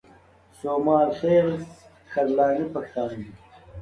سومل خېل کرلاني پښتانه دي